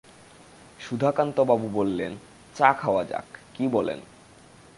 সুধাকান্তবাবু বললেন, চা খাওয়া যাক, কি বলেন?